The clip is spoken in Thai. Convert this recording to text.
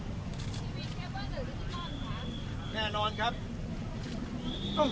ชูวิทย์แค่วันหนึ่งหรือจิตต้นครับ